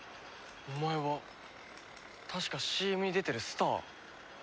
お前は確かＣＭに出てるスター。